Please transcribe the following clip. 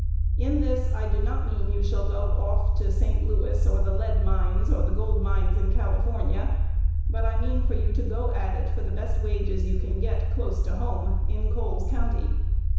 In this I do not mean you shall go off to St. Louis, or the lead mines, or the gold mines in California; but I mean for you to go at it for the best wages you can get close to home, in Cole's County.